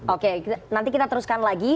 oke nanti kita teruskan lagi